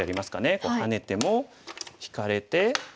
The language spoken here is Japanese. こうハネても引かれて。